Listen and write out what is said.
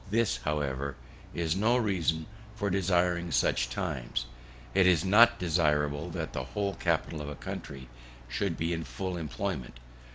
This, however, is no reason for desiring such times; it is not desirable that the whole capital of the country should be in full employment.